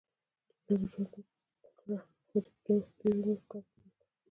لږ ژوند وګړهٔ خو د دېر عمر کار پکښي وکړهٔ